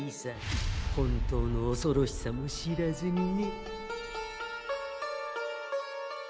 本当のおそろしさも知らずにね。